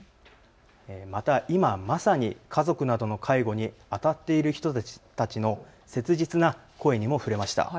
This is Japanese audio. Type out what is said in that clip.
また今まさに家族などの介護にあたっている人たちの切実な声にも触れました。